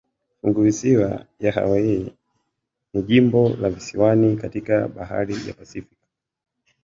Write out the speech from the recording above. Funguvisiwa ya Hawaii ni jimbo la visiwani katika bahari ya Pasifiki.